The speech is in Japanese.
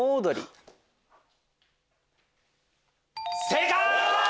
正解！